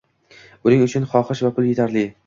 Buning uchun xohish va pul etarli